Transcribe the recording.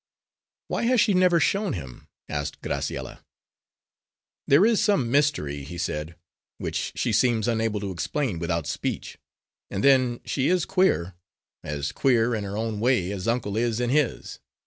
"Why has she never shown him?" asked Graciella. "There is some mystery," he said, "which she seems unable to explain without speech. And then, she is queer as queer, in her own way, as uncle is in his.